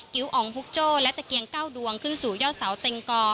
กิ้วอองภุกโจและเตะเกียงเก้าดวงขึ้นสู่ย่อเสาเต็งกอ